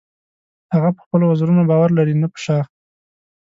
هغه په خپلو وزرونو باور لري نه په شاخ.